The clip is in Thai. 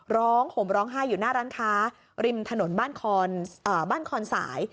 ร้องห่มร้องไห้อยู่หน้าร้านค้าริมถนนบ้านคอนเอ่อบ้านคอนสาย